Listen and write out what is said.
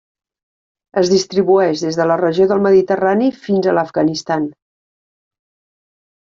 Es distribueix des de la regió del Mediterrani fins a l'Afganistan.